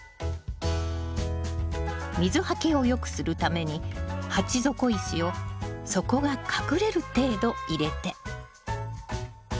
水はけをよくするために鉢底石を底が隠れる程度入れて。